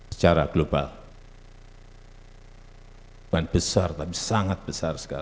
secara global ini adalah sebuah penyelenggaraan yang sangat berharga